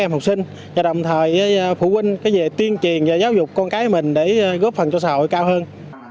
các em học sinh và đồng thời phụ huynh có thể tuyên truyền và giáo dục con cái mình để góp phần cho xã hội cao hơn